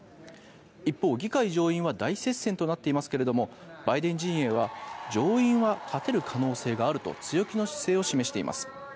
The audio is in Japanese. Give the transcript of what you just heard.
一方、議会上院は大接戦となっていますがバイデン陣営は上院は勝てる可能性があると強気の姿勢を示しています。